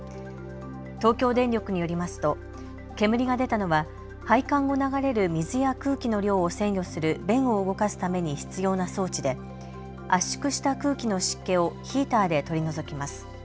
東京電力によりますと煙が出たのは配管を流れる水や空気の量を制御する弁を動かすために必要な装置で圧縮した空気の湿気をヒーターで取り除きます。